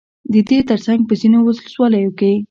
ددې ترڅنگ په ځينو ولسواليو كې